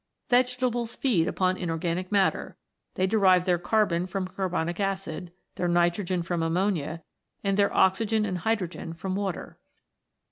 Vegetables feed upon inorganic matter ; they dei'ive their carbon from carbonic acid, their nitro gen from ammonia, and their oxygen and hydrogen from water.